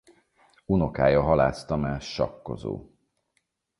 Unokája Halász Tamás sakkozó.